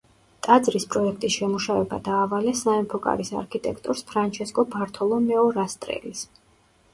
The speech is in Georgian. ტაძრის პროექტის შემუშავება დაავალეს სამეფო კარის არქიტექტორს ფრანჩესკო ბართოლომეო რასტრელის.